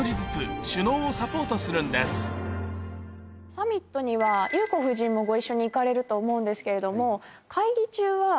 サミットには裕子夫人もご一緒に行かれると思うんですけれども。